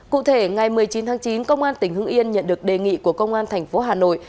cụ thể ngày một mươi chín tháng chín công an tỉnh hưng yên nhận được đề nghị của công an thành phố hà nội